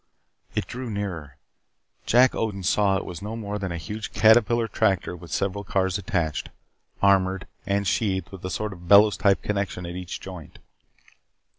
It drew nearer. Jack Odin saw that it was no more than a huge caterpillar tractor with several cars attached, armored and sheathed with sort of a bellows type connection at each joint.